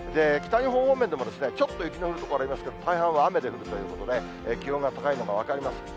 北日本方面でもちょっと雪の降る所がありますけれども、大半は雨ということで、気温が高いのが分かります。